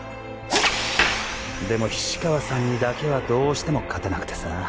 でも菱川さんにだけはどうしても勝てなくてさ。